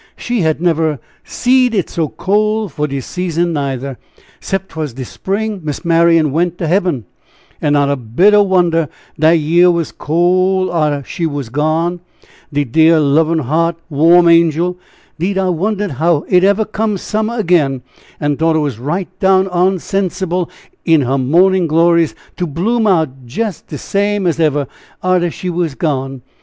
She had never "seed it so cold for de season nyther, 'cept 'twas de spring Miss Marian went to hebben, and not a bit o' wonder de yeth was cole arter she war gone de dear, lovin' heart warm angel; 'deed I wondered how it ever come summer again, an' thought it was right down onsensible in her morning glories to bloom out jest de same as ever, arter she was gone!